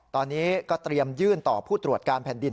ตอนนี้ก็เตรียมยื่นต่อผู้ตรวจการแผ่นดิน